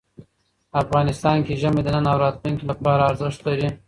افغانستان کې ژمی د نن او راتلونکي لپاره ارزښت لري.